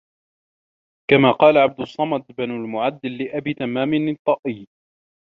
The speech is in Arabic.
كَمَا قَالَ عَبْدُ الصَّمَدِ بْنُ الْمُعَدَّلِ لِأَبِي تَمَّامٍ الطَّائِيِّ